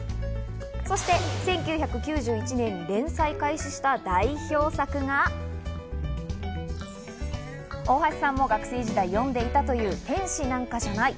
そして１９９１年に連載を開始した代表作が大橋さんも学生時代読んでいたという『天使なんかじゃない』。